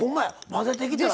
混ぜてきたら！